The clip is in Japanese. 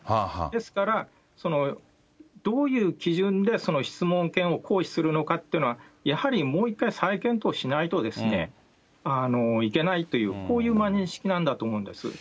ですから、どういう基準でその質問権を行使するのかっていうのは、やはりもう一回、再検討しないといけないという、こういう認識なんだと思うんです。